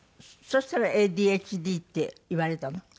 そしたらＡＤＨＤって言われたの？